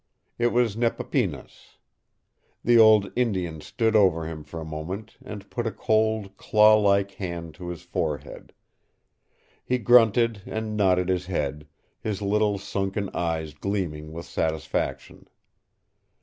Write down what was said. It was Nepapinas. The old Indian stood over him for a moment and put a cold, claw like hand to his forehead. He grunted and nodded his head, his little sunken eyes gleaming with satisfaction.